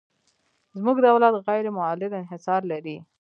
زموږ دولت غیر مولد انحصار لري.